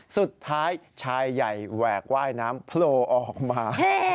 สุดท้ายชายใหญ่แหวกว่ายน้ำโผล่ออกมา